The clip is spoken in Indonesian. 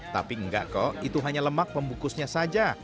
tapi enggak kok itu hanya lemak pembukusnya saja